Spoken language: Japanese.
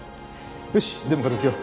よし全部片づけよう。